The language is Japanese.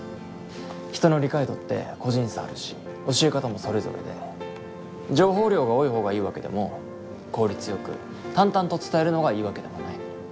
人の理解度って個人差あるし教え方もそれぞれで情報量が多い方がいいわけでも効率よく淡々と伝えるのがいいわけでもない。